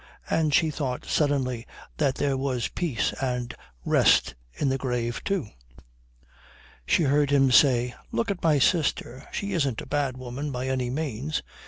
And she thought suddenly that there was peace and rest in the grave too. She heard him say: "Look at my sister. She isn't a bad woman by any means.